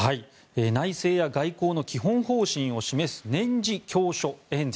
内政や外交の基本方針を示す年次教書演説。